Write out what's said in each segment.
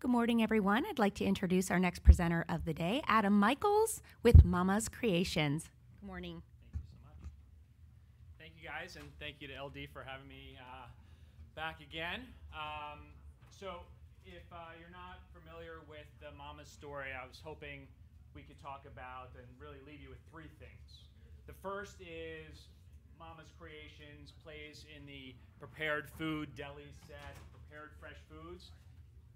Good morning, everyone. I'd like to introduce our next presenter of the day, Adam Michaels, with Mama's Creations. Good morning. Thank you so much. Thank you, guys, and thank you to LD for having me, back again. So if you're not familiar with the Mama's story, I was hoping we could talk about and really leave you with three things. The first is Mama's Creations plays in the prepared food deli set, prepared fresh foods.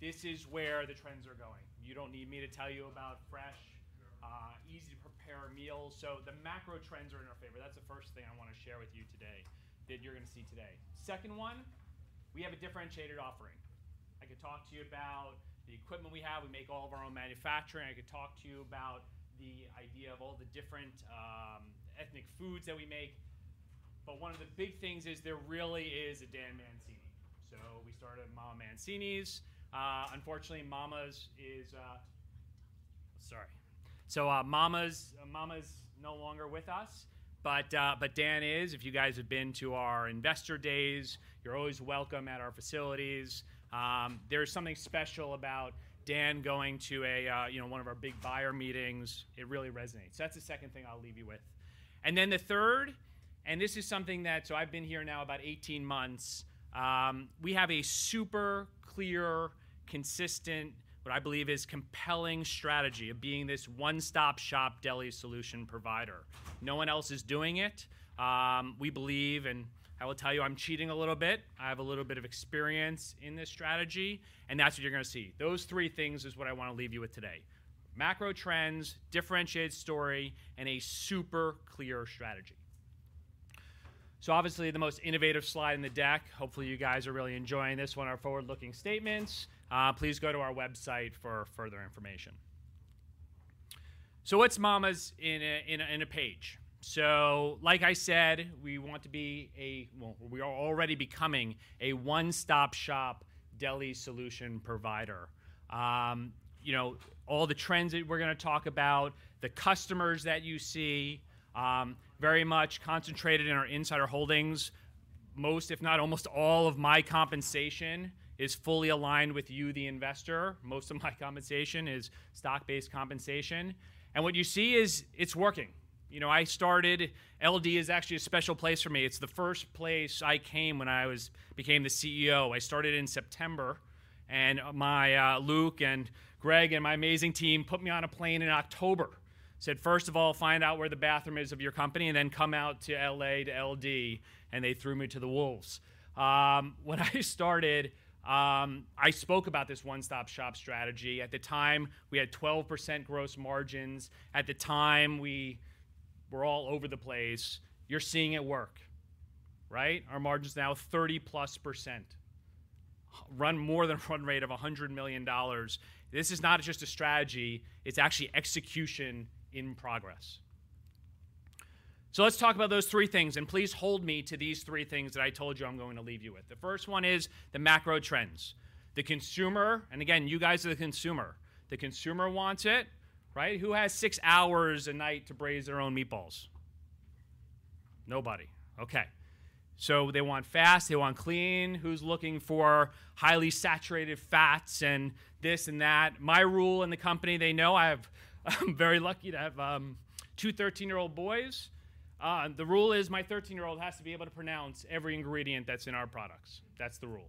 This is where the trends are going. You don't need me to tell you about fresh, easy-to-prepare meals. So the macro trends are in our favor. That's the first thing I want to share with you today, that you're going to see today. Second one, we have a differentiated offering. I could talk to you about the equipment we have. We make all of our own manufacturing. I could talk to you about the idea of all the different, ethnic foods that we make. But one of the big things is there really is a Dan Mancini. So we started at MamaMancini's. Unfortunately, Mama's is, sorry. So, Mama's Mama's no longer with us, but, but Dan is. If you guys have been to our investor days, you're always welcome at our facilities. There's something special about Dan going to a, you know, one of our big buyer meetings. It really resonates. So that's the second thing I'll leave you with. And then the third, and this is something that so I've been here now about 18 months. We have a super clear, consistent, what I believe is compelling strategy of being this one-stop shop deli solution provider. No one else is doing it. We believe and I will tell you, I'm cheating a little bit. I have a little bit of experience in this strategy, and that's what you're going to see. Those three things is what I want to leave you with today: macro trends, differentiated story, and a super clear strategy. So obviously, the most innovative slide in the deck. Hopefully, you guys are really enjoying this one. Our forward-looking statements. Please go to our website for further information. So what's Mama's in a page? So like I said, we want to be a well, we are already becoming a one-stop shop deli solution provider. You know, all the trends that we're going to talk about, the customers that you see, very much concentrated in our insider holdings. Most, if not almost all, of my compensation is fully aligned with you, the investor. Most of my compensation is stock-based compensation. And what you see is it's working. You know, I started LD is actually a special place for me. It's the first place I came when I became the CEO. I started in September, and my Luke and Greg and my amazing team put me on a plane in October. Said, first of all, find out where the bathroom is of your company, and then come out to LA to LD. And they threw me to the wolves. When I started, I spoke about this one-stop shop strategy. At the time, we had 12% gross margins. At the time, we were all over the place. You're seeing it work, right? Our margin's now 30%+. Run more than a run rate of $100 million. This is not just a strategy. It's actually execution in progress. So let's talk about those three things, and please hold me to these three things that I told you I'm going to leave you with. The first one is the macro trends. The consumer, and again, you guys are the consumer. The consumer wants it, right? Who has six hours a night to braise their own meatballs? Nobody. Okay. So they want fast. They want clean. Who's looking for highly saturated fats and this and that? My rule in the company, they know. I have. I'm very lucky to have two 13-year-old boys. The rule is my 13-year-old has to be able to pronounce every ingredient that's in our products. That's the rule.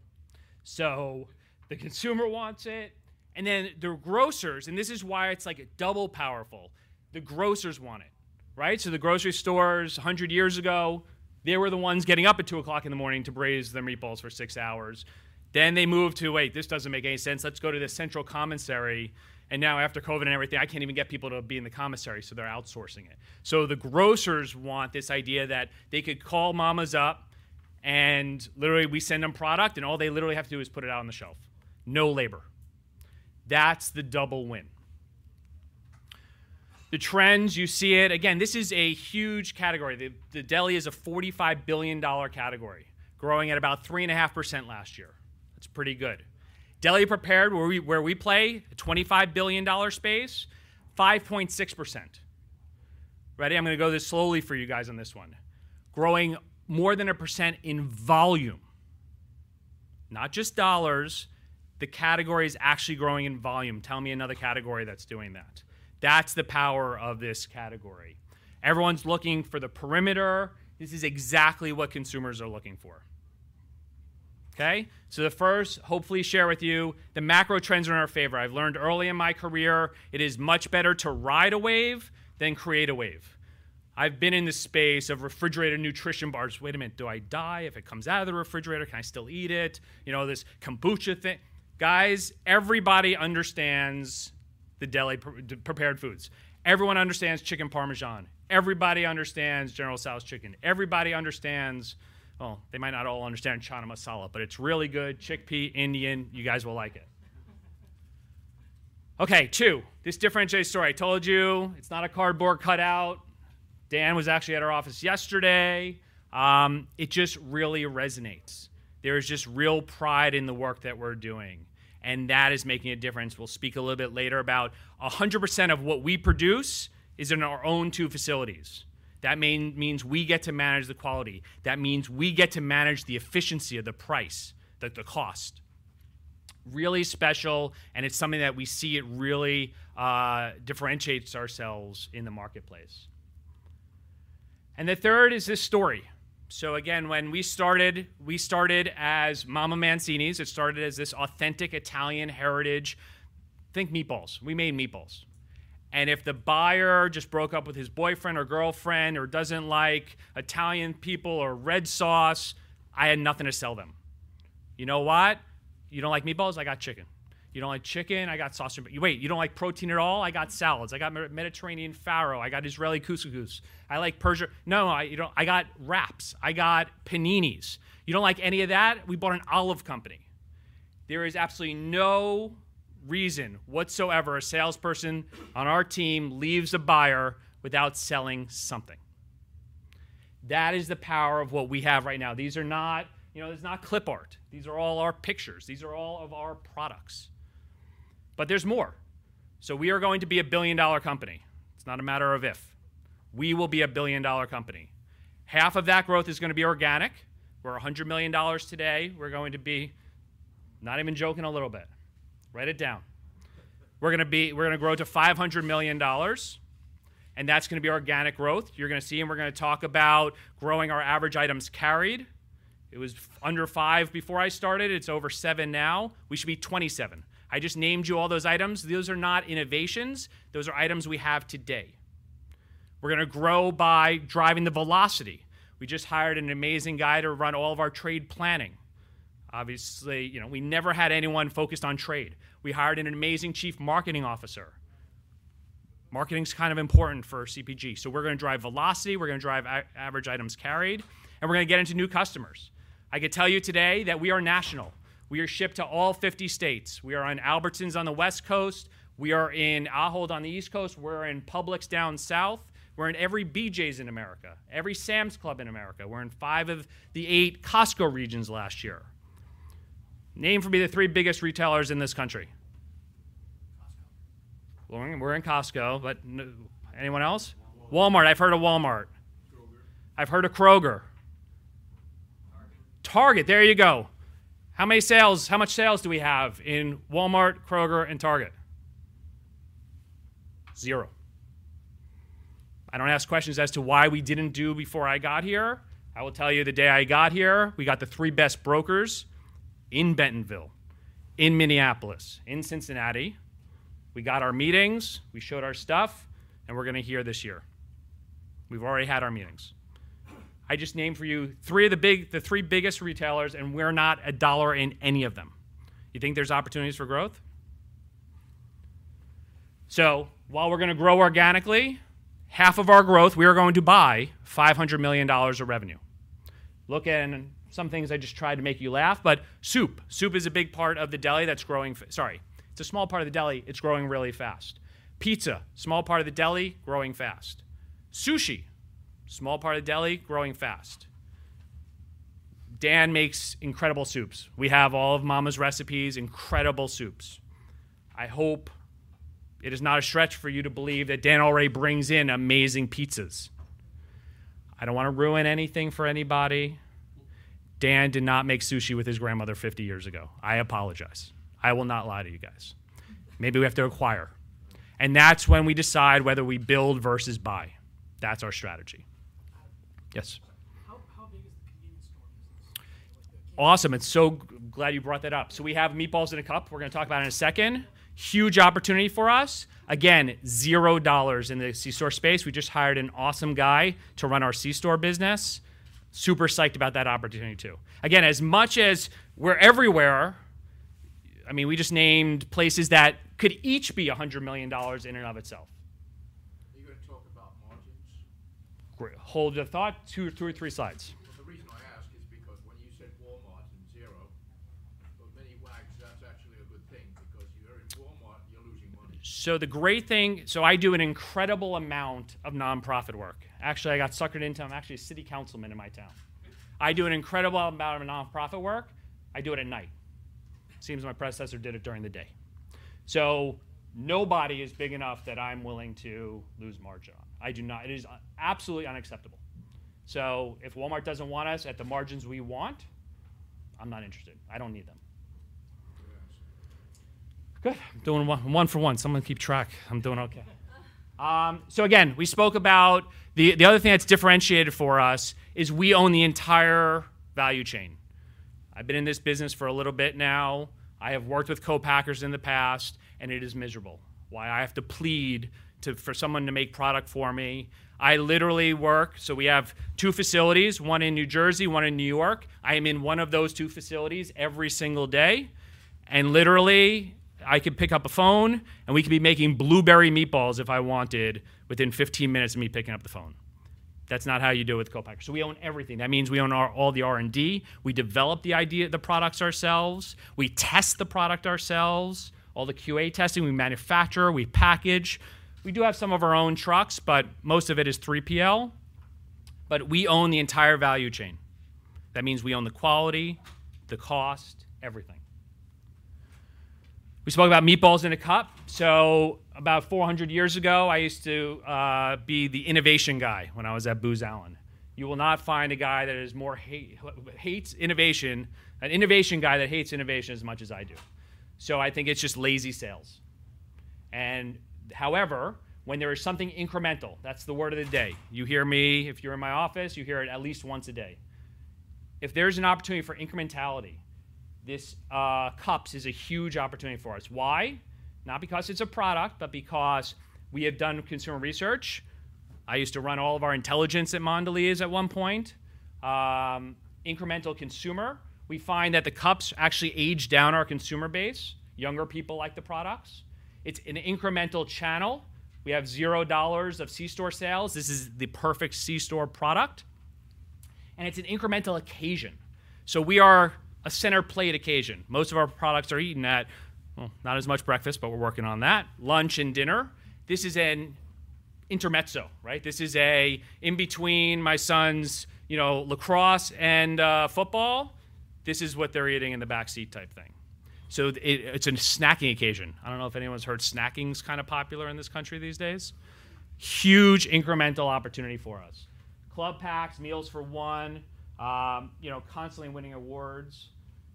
So the consumer wants it. And then the grocers, and this is why it's like double powerful. The grocers want it, right? So the grocery stores 100 years ago, they were the ones getting up at 2:00 A.M. to braise their meatballs for six hours. Then they moved to, wait, this doesn't make any sense. Let's go to the central commissary. And now, after COVID and everything, I can't even get people to be in the commissary, so they're outsourcing it. So the grocers want this idea that they could call Mama's up, and literally, we send them product, and all they literally have to do is put it out on the shelf. No labor. That's the double win. The trends, you see it. Again, this is a huge category. The deli is a $45 billion category, growing at about 3.5% last year. That's pretty good. Deli Prepared, where we play, a $25 billion space, 5.6%. Ready? I'm going to go this slowly for you guys on this one. Growing more than 1% in volume. Not just dollars. The category is actually growing in volume. Tell me another category that's doing that. That's the power of this category. Everyone's looking for the perimeter. This is exactly what consumers are looking for. Okay? So the first, hopefully, share with you: the macro trends are in our favor. I've learned early in my career it is much better to ride a wave than create a wave. I've been in the space of refrigerated nutrition bars. Wait a minute. Do I die if it comes out of the refrigerator? Can I still eat it? You know, this kombucha thing. Guys, everybody understands the deli prepared foods. Everyone understands chicken Parmesan. Everybody understands General Tso's chicken. Everybody understands well, they might not all understand Chana Masala, but it's really good. Chickpea, Indian, you guys will like it. Okay, two. This differentiated story. I told you it's not a cardboard cutout. Dan was actually at our office yesterday. It just really resonates. There is just real pride in the work that we're doing, and that is making a difference. We'll speak a little bit later about 100% of what we produce is in our own two facilities. That means we get to manage the quality. That means we get to manage the efficiency of the price, the cost. Really special, and it's something that we see it really, differentiates ourselves in the marketplace. And the third is this story. So again, when we started, we started as MamaMancini's. It started as this authentic Italian heritage think meatballs. We made meatballs. And if the buyer just broke up with his boyfriend or girlfriend or doesn't like Italian people or red sauce, I had nothing to sell them. You know what? You don't like meatballs? I got chicken. You don't like chicken? I got sausage. Wait, you don't like protein at all? I got salads. I got Mediterranean farro. I got Israeli couscous. I like Persian no, you don't. I got wraps. I got paninis. You don't like any of that? We bought an olive company. There is absolutely no reason whatsoever a salesperson on our team leaves a buyer without selling something. That is the power of what we have right now. These are not you know, it's not clip art. These are all our pictures. These are all of our products. But there's more. So we are going to be a billion-dollar company. It's not a matter of if. We will be a billion-dollar company. Half of that growth is going to be organic. We're $100 million today. We're going to be not even joking a little bit. Write it down. We're going to be we're going to grow to $500 million, and that's going to be organic growth. You're going to see it. We're going to talk about growing our average items carried. It was under 5 before I started. It's over 7 now. We should be 27. I just named you all those items. Those are not innovations. Those are items we have today. We're going to grow by driving the velocity. We just hired an amazing guy to run all of our trade planning. Obviously, you know, we never had anyone focused on trade. We hired an amazing chief marketing officer. Marketing's kind of important for CPG. We're going to drive velocity. We're going to drive average items carried. We're going to get into new customers. I could tell you today that we are national. We are shipped to all 50 states. We are in Albertsons on the West Coast. We are in Ahold on the East Coast. We're in Publix down south. We're in every BJ's in America, every Sam's Club in America. We're in 5 of the 8 Costco regions last year. Name for me the 3 biggest retailers in this country. Costco. We're in Costco, but anyone else? Walmart. I've heard of Walmart. Kroger. I've heard of Kroger. Target. Target, there you go. How many sales, how much sales do we have in Walmart, Kroger, and Target? Zero. I don't ask questions as to why we didn't do before I got here. I will tell you, the day I got here, we got the three best brokers in Bentonville, in Minneapolis, in Cincinnati. We got our meetings. We showed our stuff. And we're going to hear this year. We've already had our meetings. I just named for you three of the big the three biggest retailers, and we're not a dollar in any of them. You think there's opportunities for growth? So while we're going to grow organically, half of our growth, we are going to buy $500 million of revenue. Look at some things I just tried to make you laugh, but soup. Soup is a big part of the deli that's growing, sorry. It's a small part of the deli. It's growing really fast. Pizza, small part of the deli, growing fast. Sushi, small part of the deli, growing fast. Dan makes incredible soups. We have all of Mama's recipes, incredible soups. I hope it is not a stretch for you to believe that Dan already brings in amazing pizzas. I don't want to ruin anything for anybody. Dan did not make sushi with his grandmother 50 years ago. I apologize. I will not lie to you guys. Maybe we have to acquire. And that's when we decide whether we build versus buy. That's our strategy. Yes? How big is the convenience store business? Awesome. I'm so glad you brought that up. So we have meatballs in a cup. We're going to talk about it in a second. Huge opportunity for us. Again, $0 in the C-store space. We just hired an awesome guy to run our C-store business. Super psyched about that opportunity, too. Again, as much as we're everywhere, I mean, we just named places that could each be $100 million in and of itself. Are you going to talk about margins? Hold the thought. 2 or 3 slides. Well, the reason I ask is because when you said Walmart and 0, for many Wags, that's actually a good thing because you're in Walmart, you're losing money. So the great thing so I do an incredible amount of nonprofit work. Actually, I got suckered into. I'm actually a city councilman in my town. I do an incredible amount of nonprofit work. I do it at night. Seems my predecessor did it during the day. So nobody is big enough that I'm willing to lose margin on. I do not. It is absolutely unacceptable. So if Walmart doesn't want us at the margins we want, I'm not interested. I don't need them. Good answer. Good. I'm doing one for one. Someone keep track. I'm doing okay. So again, we spoke about the other thing that's differentiated for us is we own the entire value chain. I've been in this business for a little bit now. I have worked with co-packers in the past, and it is miserable. Why? I have to plead for someone to make product for me. I literally work so we have two facilities, one in New Jersey, one in New York. I am in one of those two facilities every single day. And literally, I could pick up a phone, and we could be making blueberry meatballs if I wanted within 15 minutes of me picking up the phone. That's not how you do it with co-packers. So we own everything. That means we own all the R&D. We develop the idea, the products, ourselves. We test the product ourselves, all the QA testing. We manufacture. We package. We do have some of our own trucks, but most of it is 3PL. But we own the entire value chain. That means we own the quality, the cost, everything. We spoke about meatballs in a cup. So about 400 years ago, I used to be the innovation guy when I was at Booz Allen. You will not find a guy that is more hates innovation, an innovation guy that hates innovation as much as I do. So I think it's just lazy sales. However, when there is something incremental that's the word of the day. You hear me if you're in my office. You hear it at least once a day. If there is an opportunity for incrementality, this cups is a huge opportunity for us. Why? Not because it's a product, but because we have done consumer research. I used to run all of our intelligence at Mondelēz at one point. Incremental consumer. We find that the cups actually age down our consumer base. Younger people like the products. It's an incremental channel. We have $0 of C-store sales. This is the perfect C-store product. And it's an incremental occasion. So we are a center plate occasion. Most of our products are eaten at well, not as much breakfast, but we're working on that. Lunch and dinner. This is an intermezzo, right? This is an in-between my son's, you know, lacrosse and football. This is what they're eating in the backseat type thing. So it's a snacking occasion. I don't know if anyone's heard snacking's kind of popular in this country these days. Huge incremental opportunity for us. Club packs, meals for one, you know, constantly winning awards.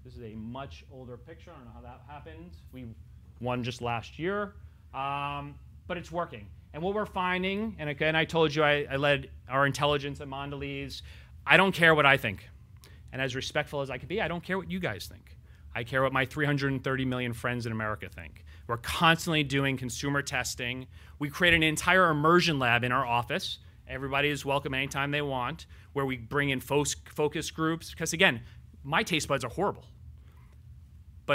This is a much older picture. I don't know how that happened. We won just last year. But it's working. What we're finding and again, I told you I led our intelligence at Mondelēz. I don't care what I think. As respectful as I can be, I don't care what you guys think. I care what my 330 million friends in America think. We're constantly doing consumer testing. We create an entire immersion lab in our office. Everybody is welcome anytime they want, where we bring in focus groups because, again, my taste buds are horrible.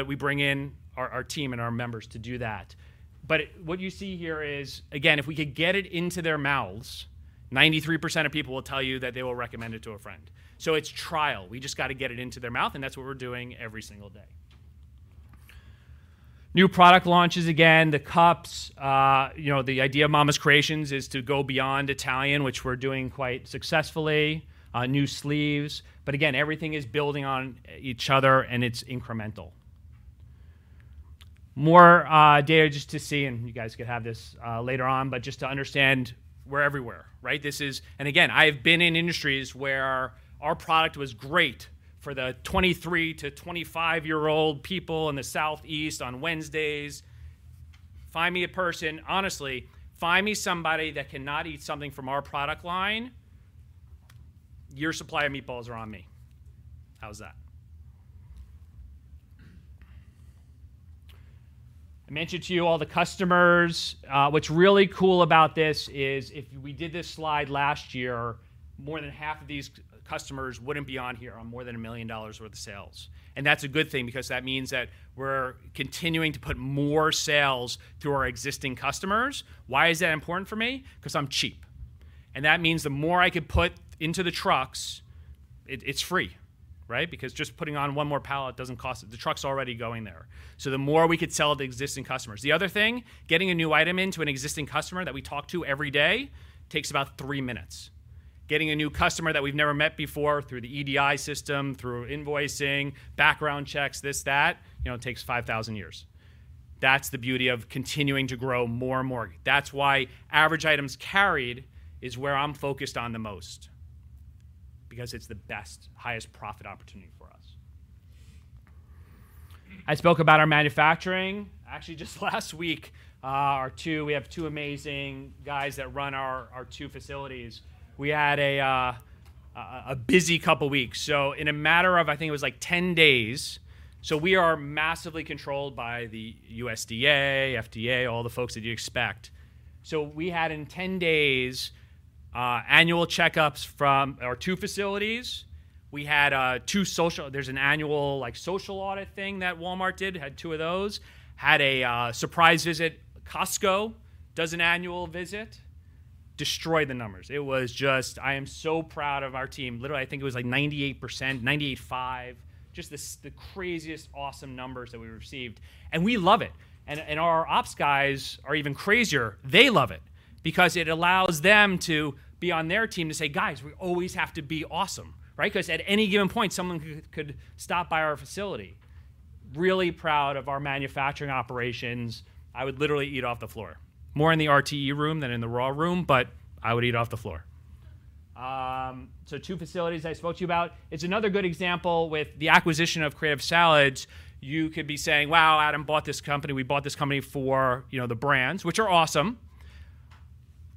We bring in our team and our members to do that. What you see here is, again, if we could get it into their mouths, 93% of people will tell you that they will recommend it to a friend. So it's trial. We just got to get it into their mouth, and that's what we're doing every single day. New product launches again. The cups you know, the idea of Mama's Creations is to go beyond Italian, which we're doing quite successfully. New sleeves. But again, everything is building on each other, and it's incremental. More data just to see and you guys could have this later on, but just to understand we're everywhere, right? This is and again, I have been in industries where our product was great for the 23-25-year-old people in the Southeast on Wednesdays. Find me a person. Honestly, find me somebody that cannot eat something from our product line. Your supply of meatballs are on me. How's that? I mentioned to you all the customers. What's really cool about this is if we did this slide last year, more than half of these customers wouldn't be on here on more than $1 million worth of sales. And that's a good thing because that means that we're continuing to put more sales through our existing customers. Why is that important for me? Because I'm cheap. And that means the more I could put into the trucks, it's free, right? Because just putting on one more pallet doesn't cost; the truck's already going there. So the more we could sell to existing customers. The other thing, getting a new item into an existing customer that we talk to every day takes about three minutes. Getting a new customer that we've never met before through the EDI system, through invoicing, background checks, this, that, you know, takes 5,000 years. That's the beauty of continuing to grow more and more. That's why average items carried is where I'm focused on the most because it's the best, highest profit opportunity for us. I spoke about our manufacturing. Actually, just last week, we have two amazing guys that run our two facilities. We had a busy couple of weeks. So in a matter of I think it was like 10 days. So we are massively controlled by the USDA, FDA, all the folks that you expect. So we had, in 10 days, annual checkups from our two facilities. We had two social. There's an annual, like, social audit thing that Walmart did. Had two of those. Had a surprise visit. Costco does an annual visit. Destroy the numbers. It was just, I am so proud of our team. Literally, I think it was like 98%, 98.5%, just the craziest, awesome numbers that we received. We love it. Our ops guys are even crazier. They love it because it allows them to be on their team to say, "Guys, we always have to be awesome," right? Because at any given point, someone could stop by our facility. Really proud of our manufacturing operations. I would literally eat off the floor. More in the RTE room than in the raw room, but I would eat off the floor. So two facilities I spoke to you about. It's another good example with the acquisition of Creative Salads. You could be saying, "Wow, Adam bought this company. We bought this company for, you know, the brands," which are awesome.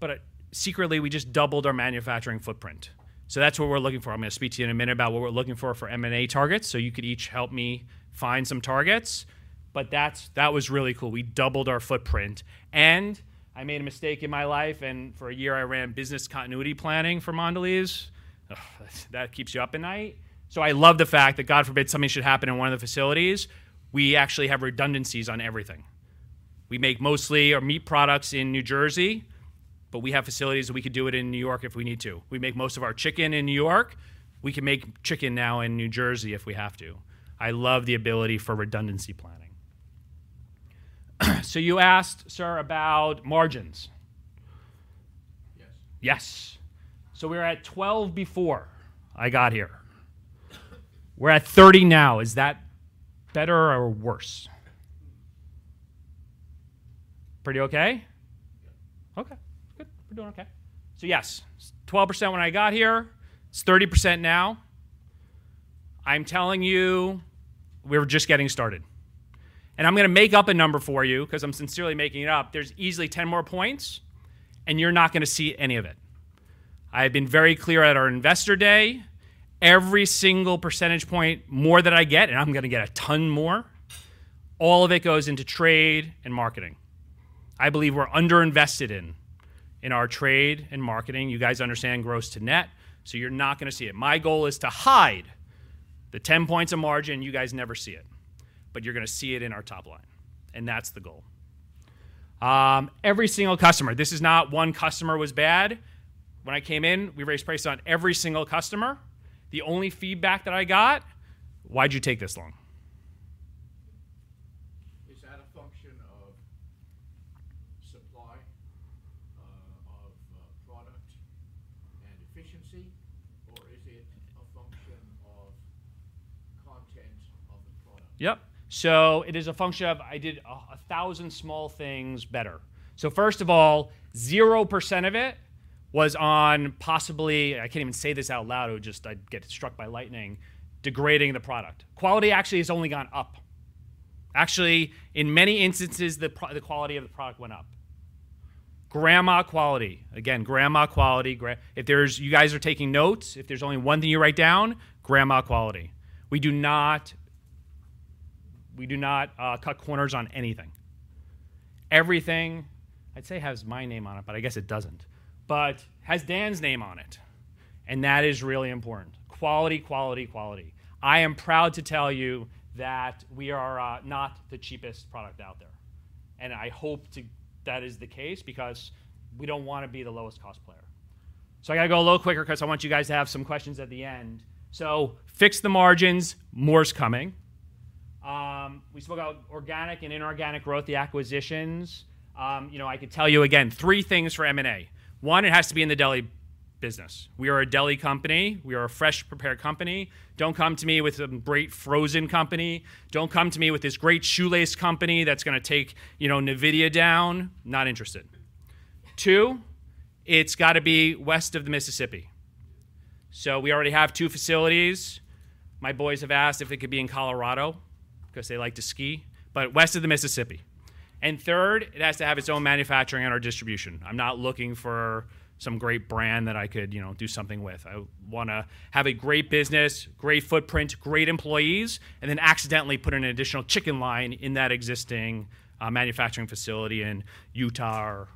But secretly, we just doubled our manufacturing footprint. That's what we're looking for. I'm going to speak to you in a minute about what we're looking for for M&A targets. So you could each help me find some targets. But that was really cool. We doubled our footprint. And I made a mistake in my life. And for a year, I ran business continuity planning for Mondelēz. That keeps you up at night. So I love the fact that, God forbid, something should happen in one of the facilities, we actually have redundancies on everything. We make mostly our meat products in New Jersey, but we have facilities that we could do it in New York if we need to. We make most of our chicken in New York. We can make chicken now in New Jersey if we have to. I love the ability for redundancy planning. So you asked, sir, about margins. Yes. Yes. So we're at 12 before I got here. We're at 30 now. Is that better or worse? Pretty OK? Yeah. OK. Good. We're doing OK. So yes, 12% when I got here. It's 30% now. I'm telling you, we were just getting started. And I'm going to make up a number for you because I'm sincerely making it up. There's easily 10 more points, and you're not going to see any of it. I have been very clear at our investor day. Every single percentage point more that I get, and I'm going to get a ton more, all of it goes into trade and marketing. I believe we're underinvested in our trade and marketing. You guys understand gross to net, so you're not going to see it. My goal is to hide the 10 points of margin, and you guys never see it. But you're going to see it in our top line. And that's the goal. Every single customer this is not one customer was bad. When I came in, we raised prices on every single customer. The only feedback that I got, "Why'd you take this long? Is that a function of supply, of product, and efficiency, or is it a function of content of the product? Yep. So it is a function of I did 1,000 small things better. So first of all, 0% of it was on possibly I can't even say this out loud. It would just I'd get struck by lightning degrading the product. Quality actually has only gone up. Actually, in many instances, the quality of the product went up. Grandma quality. Again, grandma quality. If you guys are taking notes, if there's only one thing you write down, grandma quality. We do not cut corners on anything. Everything, I'd say, has my name on it, but I guess it doesn't. But has Dan's name on it. And that is really important. Quality, quality, quality. I am proud to tell you that we are not the cheapest product out there. I hope that is the case because we don't want to be the lowest cost player. So I got to go a little quicker because I want you guys to have some questions at the end. So fix the margins. More's coming. We spoke about organic and inorganic growth, the acquisitions. You know, I could tell you, again, three things for M&A. One, it has to be in the deli business. We are a deli company. We are a fresh-prepared company. Don't come to me with some great frozen company. Don't come to me with this great shoelace company that's going to take NVIDIA down. Not interested. Two, it's got to be west of the Mississippi. So we already have two facilities. My boys have asked if it could be in Colorado because they like to ski. But west of the Mississippi. And third, it has to have its own manufacturing and our distribution. I'm not looking for some great brand that I could do something with. I want to have a great business, great footprint, great employees, and then accidentally put an additional chicken line in that existing manufacturing facility in Utah or,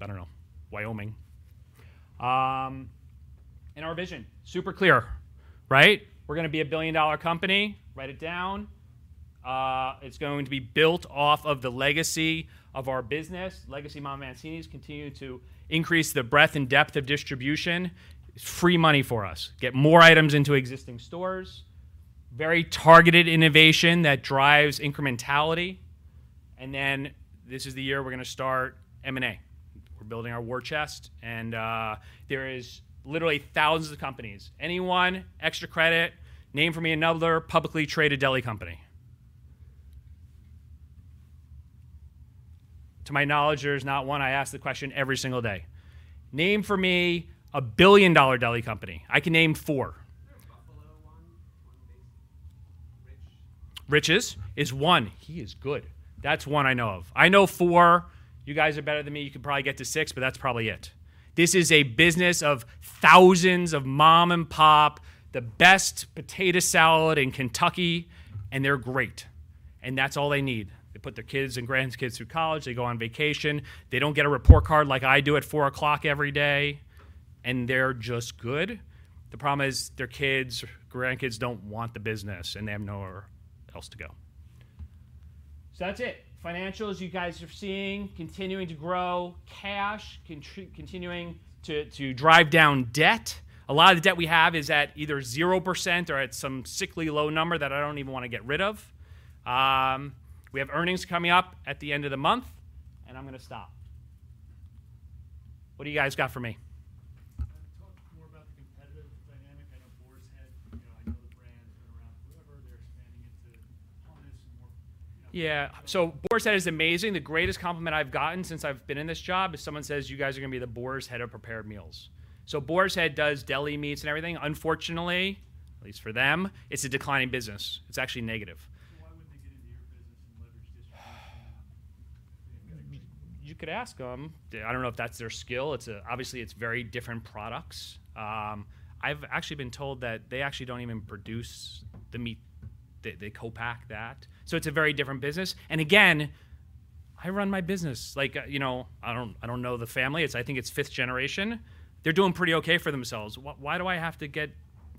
I don't know, Wyoming. Our vision, super clear, right? We're going to be a billion-dollar company. Write it down. It's going to be built off of the legacy of our business. Legacy MamaMancini's continued to increase the breadth and depth of distribution. It's free money for us. Get more items into existing stores. Very targeted innovation that drives incrementality. This is the year we're going to start M&A. We're building our war chest. And there is literally thousands of companies. Anyone, extra credit, name for me another publicly traded deli company. To my knowledge, there's not one. I ask the question every single day. Name for me a billion-dollar deli company. I can name four. There's Buffalo one. One basic Rich's. Rich's is one. He is good. That's one I know of. I know 4. You guys are better than me. You could probably get to 6, but that's probably it. This is a business of thousands of mom and pop, the best potato salad in Kentucky, and they're great. That's all they need. They put their kids and grandkids through college. They go on vacation. They don't get a report card like I do at 4:00 P.M. every day, and they're just good. The problem is their kids, grandkids don't want the business, and they have nowhere else to go. So that's it. Financials, you guys are seeing, continuing to grow. Cash, continuing to drive down debt. A lot of the debt we have is at either 0% or at some sickly low number that I don't even want to get rid of. We have earnings coming up at the end of the month, and I'm going to stop. What do you guys got for me? Talk more about the competitive dynamic. I know Boar's Head. You know, I know the brand. It's been around forever. They're expanding into hummus and more, you know. Yeah. So Boar's Head is amazing. The greatest compliment I've gotten since I've been in this job is someone says, "You guys are going to be the Boar's Head of prepared meals." So Boar's Head does deli meats and everything. Unfortunately, at least for them, it's a declining business. It's actually negative. Why wouldn't they get into your business and leverage distribution if they've got a great business? You could ask them. I don't know if that's their skill. Obviously, it's very different products. I've actually been told that they actually don't even produce the meat. They co-pack that. So it's a very different business. And again, I run my business. Like, you know, I don't know the family. I think it's fifth generation. They're doing pretty OK for themselves. Why do I have to get?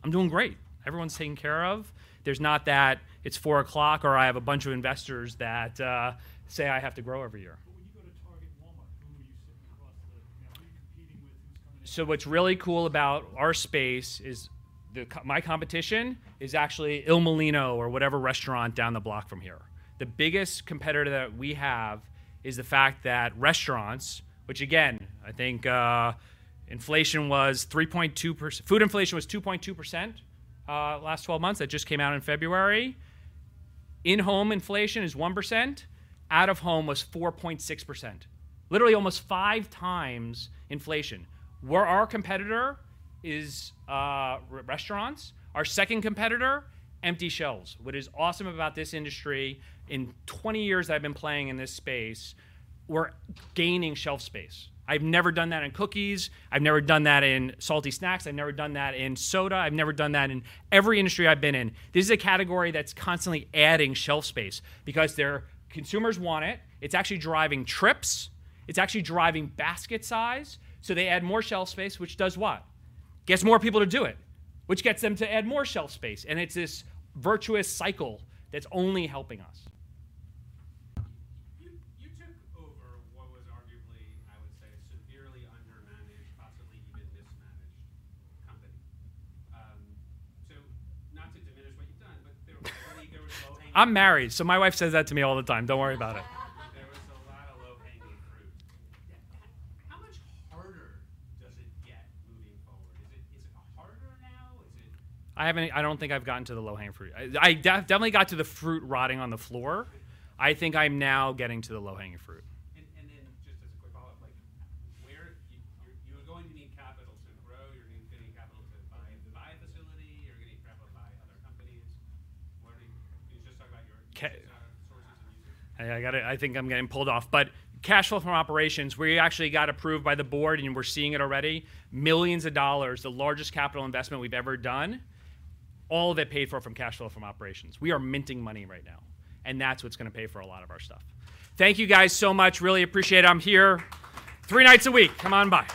I'm doing great. Everyone's taken care of. There's not that it's 4 o'clock or I have a bunch of investors that say I have to grow every year. But when you go to Target Walmart, who are you sitting across the now, who are you competing with? Who's coming in? So what's really cool about our space is my competition is actually Il Mulino or whatever restaurant down the block from here. The biggest competitor that we have is the fact that restaurants which, again, I think inflation was 3.2%, food inflation was 2.2% last 12 months. That just came out in February. In-home inflation is 1%. Out of home was 4.6%. Literally almost five times inflation. Where our competitor is restaurants, our second competitor, empty shelves. What is awesome about this industry, in 20 years that I've been playing in this space, we're gaining shelf space. I've never done that in cookies. I've never done that in salty snacks. I've never done that in soda. I've never done that in every industry I've been in. This is a category that's constantly adding shelf space because their consumers want it. It's actually driving trips. It's actually driving basket size. They add more shelf space, which does what? Gets more people to do it, which gets them to add more shelf space. It's this virtuous cycle that's only helping us. You took over what was arguably, I would say, a severely undermanaged, possibly even mismanaged company. Not to diminish what you've done, but I believe there was low-hanging fruit. I'm married. So my wife says that to me all the time. Don't worry about it. There was a lot of low-hanging fruit. How much harder does it get moving forward? Is it harder now? Is it? I don't think I've gotten to the low-hanging fruit. I definitely got to the fruit rotting on the floor. I think I'm now getting to the low-hanging fruit. Then just as a quick follow-up, like, where you're going to need capital to grow. You're going to need capital to buy a facility. You're going to need capital to buy other companies. Can you just talk about your sources and uses? Hey, I got it. I think I'm getting pulled off. But cash flow from operations, we actually got approved by the board, and we're seeing it already. Millions of dollars, the largest capital investment we've ever done, all of it paid for from cash flow from operations. We are minting money right now. And that's what's going to pay for a lot of our stuff. Thank you guys so much. Really appreciate it. I'm here three nights a week. Come on by.